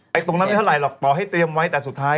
ตรงนั้นไม่เท่าไหรหรอกต่อให้เตรียมไว้แต่สุดท้าย